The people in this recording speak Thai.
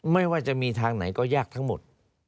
ไม่ว่าจะมีทางไหนก็ยากทั้งหมด